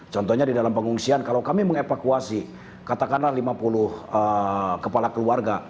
contohnya di dalam pengungsian kalau kami mengevakuasi katakanlah lima puluh kepala keluarga